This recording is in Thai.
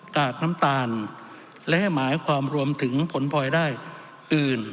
กากน้ำตาลและหมายความรวมถึงผลพลอยได้อื่น